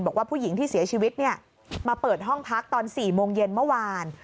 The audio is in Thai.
บอกว่าผู้หญิงที่เสียชีวิตมาเปิดห้องพักตอน๔โมงเย็นเมื่อวาน